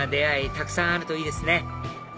たくさんあるといいですね